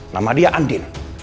nama dia andin